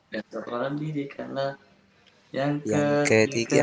daftpower andy di karena yang ke tiga